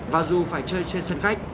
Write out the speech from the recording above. và dù phải chơi trên sân khách